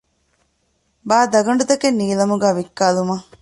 ބާ ދަގަނޑުތަކެއް ނީލަމުގައި ވިއްކާލުމަށް